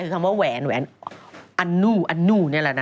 คือคำว่าแหวนแหวนอันหนุ